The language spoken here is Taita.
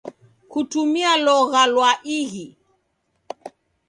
Kutumie logha lwa ighi.